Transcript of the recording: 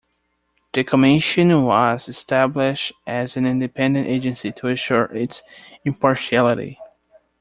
The Commission was established as an independent agency to ensure its impartiality.